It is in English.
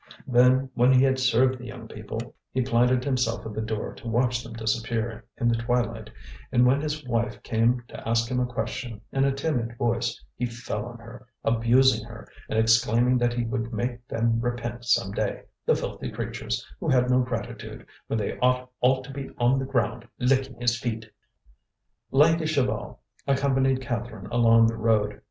Then, when he had served the young people, he planted himself at the door to watch them disappear in the twilight; and when his wife came to ask him a question in a timid voice, he fell on her, abusing her, and exclaiming that he would make them repent some day, the filthy creatures, who had no gratitude, when they ought all to be on the ground licking his feet. Lanky Chaval accompanied Catherine along the road.